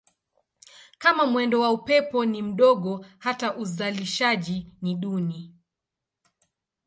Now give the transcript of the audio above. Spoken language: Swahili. Kama mwendo wa upepo ni mdogo hata uzalishaji ni duni.